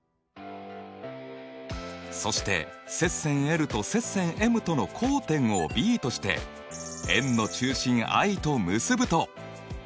そして接線と接線ｍとの交点をＢとして円の中心Ｉと結ぶと。